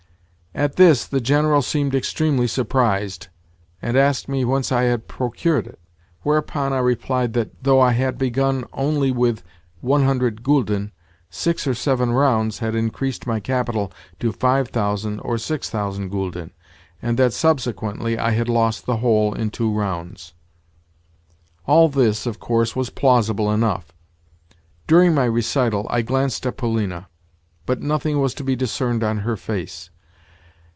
At this the General seemed extremely surprised, and asked me whence I had procured it; whereupon I replied that, though I had begun only with 100 gülden, six or seven rounds had increased my capital to 5000 or 6000 gülden, and that subsequently I had lost the whole in two rounds. All this, of course, was plausible enough. During my recital I glanced at Polina, but nothing was to be discerned on her face.